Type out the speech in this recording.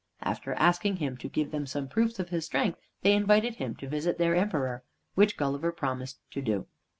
After asking him to give them some proofs of his strength, they invited him to visit their Emperor, which Gulliver promised to do.